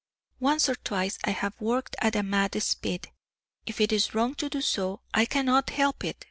Once or twice I have worked at a mad speed; if it is wrong to do so, I cannot help it.